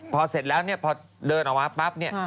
พอเสร็จแล้วเนี่ยพอเดินออกมาปั๊บเนี่ย